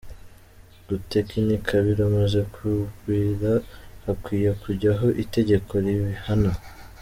Gutekinika biramaze kugwira hakwiye kujyaho itegeko ribihana.